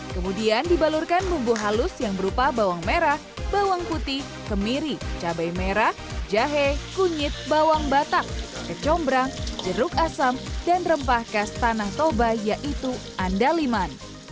kemudian dibalurkan bumbu halus yang berupa bawang merah bawang putih kemiri cabai merah jahe kunyit bawang batang kecombrang jeruk asam dan rempah khas tanah toba yaitu andaliman